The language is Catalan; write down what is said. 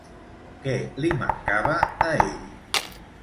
Què li mancava, a ell?